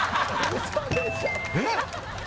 えっ！？